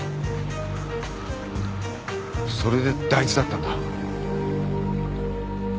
それで大豆だったんだ。